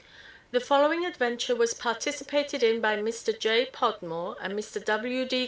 The following adventure was participated in by Mr. J. Podmore and Mr. W. D.